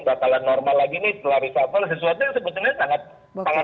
bakalan normal lagi nih setelah reshuffle sesuatu yang sebetulnya sangat publik banget gitu ya